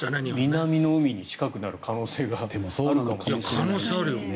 南の海に近くなる可能性があるのかもしれない。